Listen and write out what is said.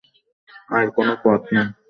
আর কোনো পথ নেই।